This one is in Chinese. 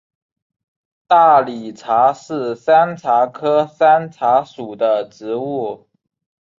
大理茶是山茶科山茶属的植物。